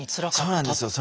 そうなんですよ。